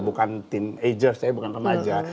bukan teenagers ya bukan remaja